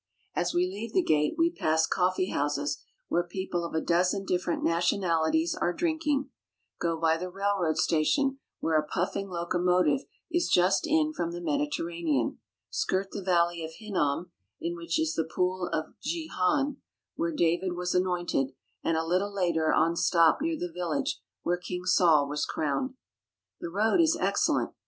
As we leave the gate we pass coffee houses where people of a dozen different nationalities are drink ing, go by the railroad station, where a puffing loco motive is just in from the Mediterranean, skirt the valley of Hinnom, in which is the Pool of Gihon, where David was anointed, and a little later on stop near the village where King Saul was crowned. The road is excellent.